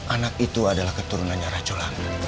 anak itu adalah keturunannya rajo langit